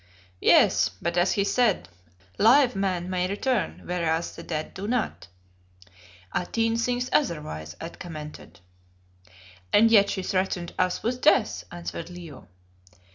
"Yes, but as he said, live men may return, whereas the dead do not." "Atene thinks otherwise," I commented. "And yet she threatened us with death," answered Leo.